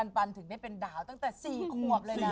ปันถึงได้เป็นดาวตั้งแต่๔ขวบเลยนะ